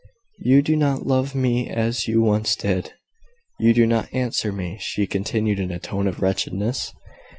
You do not love me as you once did... You do not answer me," she continued in a tone of wretchedness.